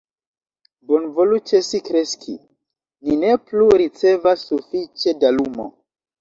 "Bonvolu ĉesi kreski, ni ne plu ricevas sufiĉe da lumo."